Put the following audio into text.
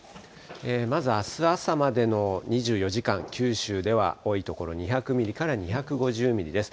まず、あす朝までの２４時間、九州では多い所２００ミリから２５０ミリです。